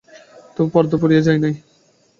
তবু পর্দা পুড়িয়া যায় নাই।